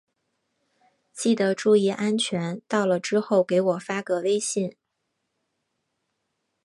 记得注意安全，到了之后给我发个微信。